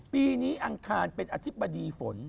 ปีนี้อังคารเป็นอธิบดีฝน